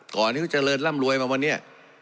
ก่อนที่เขาเจริญร่ำรวยมาวันนี้